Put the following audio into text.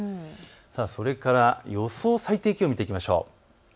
ただそれから、予想最低気温を見ていきましょう。